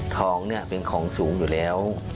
ทองเป็นของสูงอยู่แล้ว